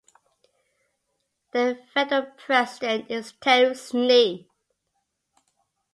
Their federal president is Terry Snee.